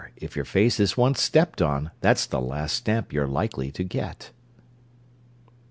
If your face is once stepped on, That's the last stamp you're likely to get!